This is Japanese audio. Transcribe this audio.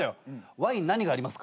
「ワイン何がありますか？」